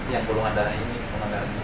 yang golongan darah ini rumah darah ini